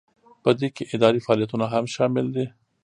په دې کې اداري فعالیتونه هم شامل دي.